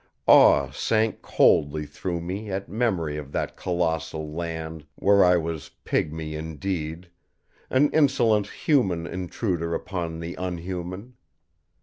Awe sank coldly through me at memory of that colossal land where I was pygmy indeed, an insolent human intruder upon the unhuman.